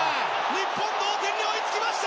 日本同点に追いつきました！